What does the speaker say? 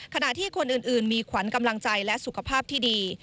ขณะที่คนอื่นมีขวัญกำลังใจและสุขภาพที่ดี